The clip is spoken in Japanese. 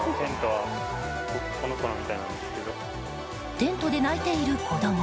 テントで泣いている子供。